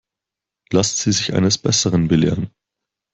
Lassen Sie sich eines Besseren belehren.